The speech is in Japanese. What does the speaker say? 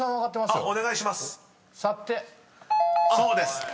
［そうです。